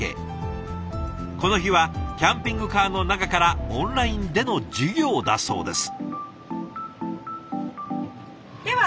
この日はキャンピングカーの中からオンラインでの授業だそうです。